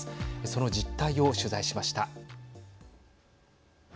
その実態を取材しました。